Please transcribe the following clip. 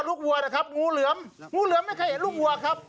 วัวนะครับงูเหลือมงูเหลือมไม่เคยเห็นลูกวัวครับ